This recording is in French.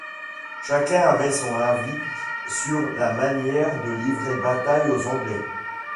Chacun avait son avis sur la manière de livrer bataille aux Anglais.